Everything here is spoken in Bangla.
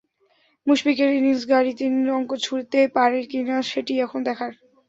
মুশফিকের ইনিংস গাড়ি তিন অঙ্ক ছুঁতে পারে কিনা, সেটিই এখন দেখার।